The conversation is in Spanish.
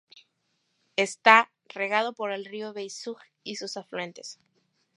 Está regado por el río Beisug y sus afluentes.